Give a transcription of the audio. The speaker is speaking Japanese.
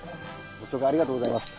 ご紹介ありがとうございます。